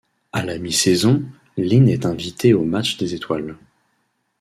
À la mi-saison, Lynn est invité au match des étoiles.